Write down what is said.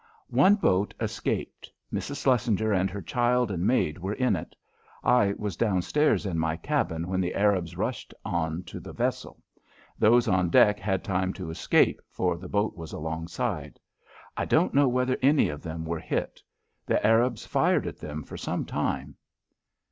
"One boat escaped. Mrs. Shlesinger and her child and maid were in it. I was downstairs in my cabin when the Arabs rushed on to the vessel. Those on deck had time to escape, for the boat was alongside. I don't know whether any of them were hit. The Arabs fired at them for some time."